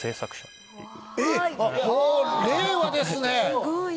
えっ令和ですね！